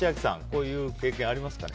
こういう経験ありますか？